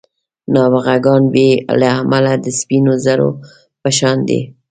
نابغه ګان بې له علمه د سپینو زرو په شان دي.